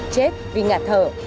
chết vì ngả thở